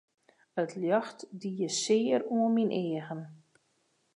It ljocht die sear oan myn eagen.